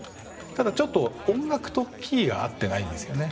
ただちょっと音楽とキーが合ってないんですよね